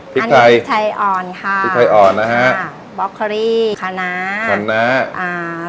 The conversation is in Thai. ผิกไทยอ่อนบ๊อกคอรี่ขนาร์